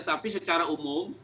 tapi secara umum